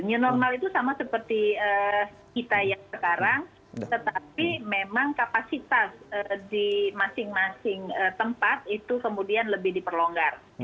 new normal itu sama seperti kita yang sekarang tetapi memang kapasitas di masing masing tempat itu kemudian lebih diperlonggar